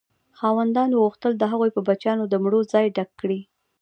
خاوندانو غوښتل د هغو په بچیانو د مړو ځای ډک کړي.